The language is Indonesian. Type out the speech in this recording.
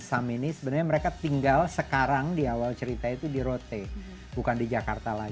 sam ini sebenarnya mereka tinggal sekarang di awal cerita itu di rote bukan di jakarta lagi